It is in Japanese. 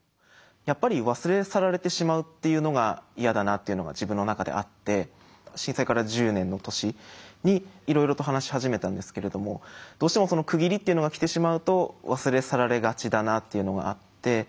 やっぱり忘れ去られてしまうっていうのが嫌だなっていうのが自分の中であって震災から１０年の年にいろいろと話し始めたんですけれどもどうしても区切りっていうのが来てしまうと忘れ去られがちだなっていうのがあって。